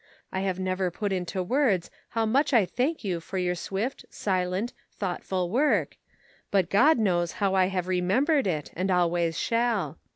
I have never put into words how much I thank you for your swift, silent, thoughtful work, but God knows how I have remembered it, and always shall.